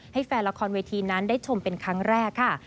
ให้แฟนละครเวทีนั้นได้ชมเป็นครั้งแรกค่ะ